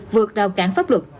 vượt đào cản pháp luật